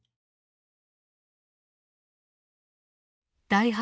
第８